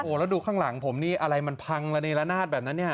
แล้วดูข้างหลังผมนี่อะไรมันพังระเนละนาดแบบนั้นเนี่ย